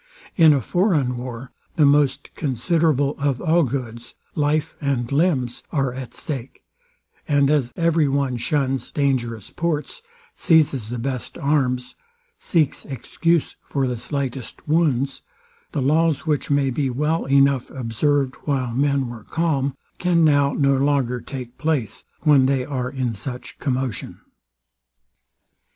In a foreign war the most considerable of all goods, life and limbs, are at stake; and as every one shuns dangerous ports, seizes the best arms, seeks excuse for the slightest wounds, the laws, which may be well enough observed while men were calm, can now no longer take place, when they are in such commotion.